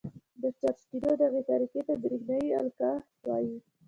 د چارج کېدو دغې طریقې ته برېښنايي القاء وايي.